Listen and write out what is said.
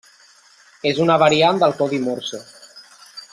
És una variant del codi morse.